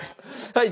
はい。